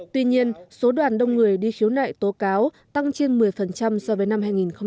tuy nhiên số đoàn đông người đi khiếu nại tố cáo tăng trên một mươi so với năm hai nghìn một mươi tám